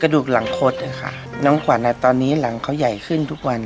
ดูกหลังคดอะค่ะน้องขวัญตอนนี้หลังเขาใหญ่ขึ้นทุกวัน